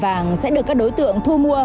vàng sẽ được các đối tượng thu mua